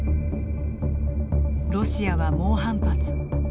ロシアは猛反発。